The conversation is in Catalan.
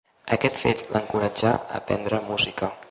Aquest fet l'encoratjà a aprendre música.